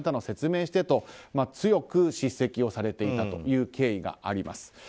説明してと強く叱責をされていたという経緯があります。